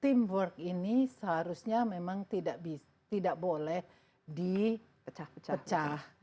teamwork ini seharusnya memang tidak boleh di pecah